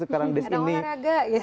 ada orang agak ya